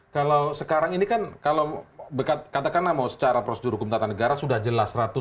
kalau sekarang ini kan kalau katakanlah mau secara prosedur hukum tata negara sudah jelas